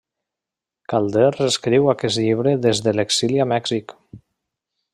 Calders escriu aquest llibre des de l'exili a Mèxic.